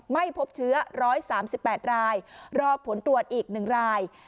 ไม่พบเชื้อร้อยสามสิบแปดลายรอบผลตรวจอีกหนึ่งลาย